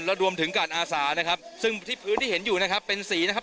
แล้วรวมถึงการอาสานะครับซึ่งที่พื้นที่เห็นอยู่นะครับเป็นสีนะครับ